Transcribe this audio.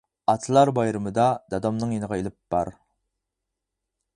ئاتىلار بايرىمىدا دادامنىڭ يېنىغا ئېلىپ بار.